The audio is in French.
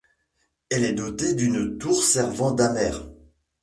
Elle est dotée d'une tour servant d'amer.